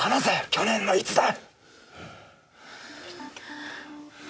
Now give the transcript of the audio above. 去年のいつだ？